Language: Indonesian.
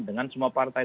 dengan semua partai